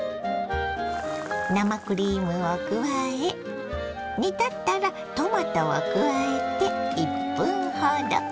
生クリームを加え煮立ったらトマトを加えて１分ほど。